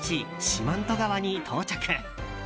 四万十川に到着。